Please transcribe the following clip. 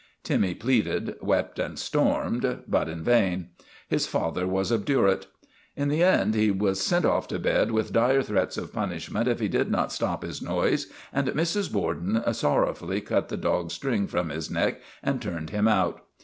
Timmy pleaded, wept, and stormed, but in vain; his father was obdurate. In the end he was sent off to bed with dire threats of punishment if he did not stop his noise, and Mrs. Borden sorrowfully cut the dog's string from his neck and turned him out.